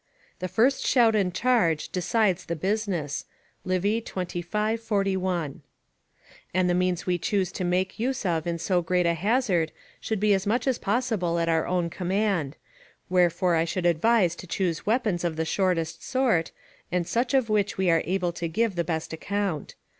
["The first shout and charge decides the business." Livy, xxv. 41.] And the means we choose to make use of in so great a hazard should be as much as possible at our own command: wherefore I should advise to choose weapons of the shortest sort, and such of which we are able to give the best account.